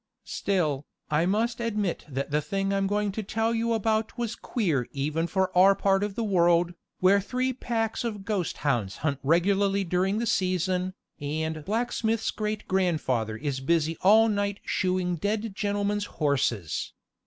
Still, I must admit that the thing I'm going to tell you about was queer even for our part of the world, where three packs of ghost hounds hunt regularly during the season, and blacksmith's great grandfather is busy all night shoeing the dead gentlemen's horses.